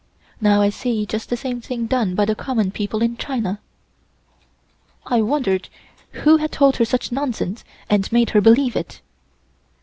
Now I see just the same thing done by the common people in China." I wondered who had told her such nonsense and made her believe it.